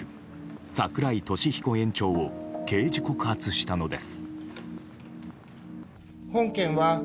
櫻井利彦園長を刑事告発したのです。